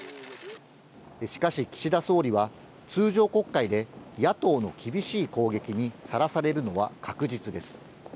しかし岸田総理は、通常国会で野党の厳しい攻撃にさらされるのは確実です。